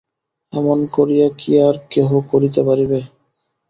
এমন করিয়া কি আর কেহ করিতে পারিবে।